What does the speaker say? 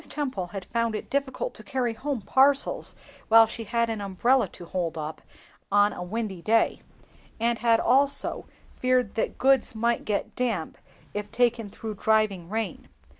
Temple had found it difficult to carry home parcels when she had an umbrella to hold up on a windy day, and had also feared that goods might get damp if taken through driving rain.